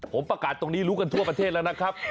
ผมประกาศตรงนี้รู้กันทั่วประเทศแล้วนะครับ